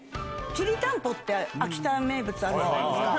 きりたんぽって秋田名物あるじゃないですか。